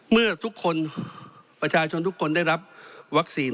เมื่อทุกคนประชาชนทุกคนได้รับวัคซีน